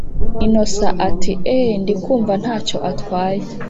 innocent ati”eeeeehhhh ndikumva ntacyo atwaye”